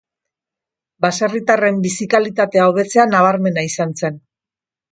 Baserritarren bizi-kalitatea hobetzea nabarmena izan zen.